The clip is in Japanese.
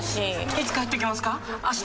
いつ帰ってきますか？